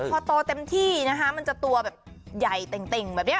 พอโตเต็มที่นะคะมันจะตัวแบบใหญ่เต่งแบบนี้